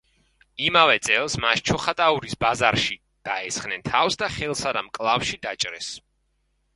იმავე წელს მას ჩოხატაურის ბაზარში დაესხნენ თავს და ხელსა და მკლავში დაჭრეს.